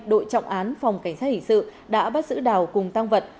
đội trọng án phòng cảnh sát hình sự đã bắt giữ đào cùng tăng vật